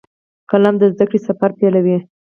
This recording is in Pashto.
قلم د زده کړې سفر پیلوي